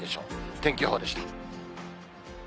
天気予報でした。